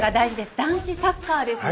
男子サッカーですね。